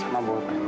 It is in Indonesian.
biar saya bantu